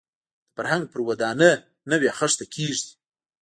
د فرهنګ پر ودانۍ نوې خښته کېږدي.